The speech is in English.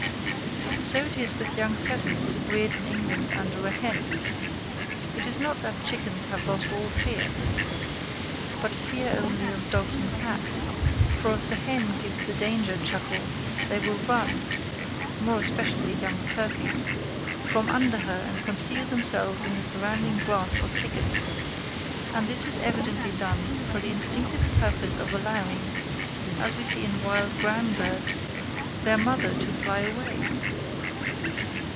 So it is with young pheasants reared in England under a hen. It is not that chickens have lost all fear, but fear only of dogs and cats, for if the hen gives the danger chuckle they will run (more especially young turkeys) from under her and conceal themselves in the surrounding grass or thickets; and this is evidently done for the instinctive purpose of allowing, as we see in wild ground birds, their mother to fly away.